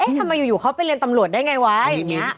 ทำไมอยู่เขาไปเรียนตำรวจได้ไงวะอย่างนี้